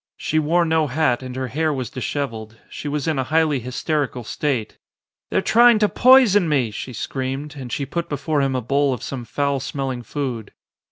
She wore no hat and her hair was dishevelled. She was in a highly hysterical state. "They're trying to poison me," she screamed and she put before him a bowl of some foul smell ing food.